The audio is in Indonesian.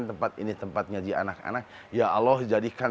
tempat ini tempat nyaji anak anak ya allah jadikan